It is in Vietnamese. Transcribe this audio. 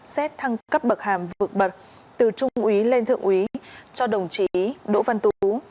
xét thăng cấp bậc hàm vượt bậc từ trung ủy lên thượng ủy cho đồng chí đỗ văn tú